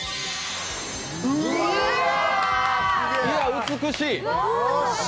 いや、美しい！